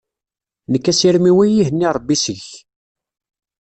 Nekk asirem-iw ad iyi-ihenni Rebbi seg-k.